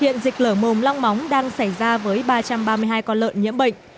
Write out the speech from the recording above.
hiện dịch lở mồm long móng đang xảy ra với ba trăm ba mươi hai con lợn nhiễm bệnh